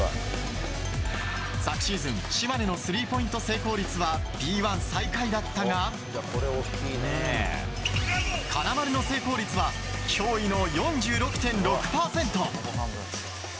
昨シーズン島根のスリーポイント成功率はＢ１最下位だったが金丸の成功率は驚異の４６．６％。